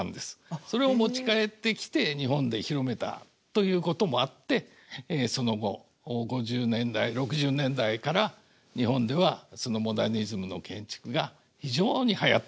それを持ち帰ってきて日本で広めたということもあってその後５０年代６０年代から日本ではそのモダニズムの建築が非常にはやったんですね。